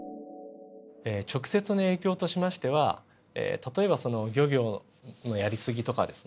直接の影響としましては例えば漁業のやり過ぎとかですね